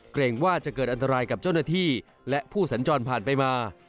เกรงว่าจะเกิดอันตรายกับเจ้าหน้าที่และผู้สัญจรผ่านไปมา